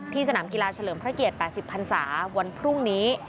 สนามกีฬาเฉลิมพระเกียรติ๘๐พันศาวันพรุ่งนี้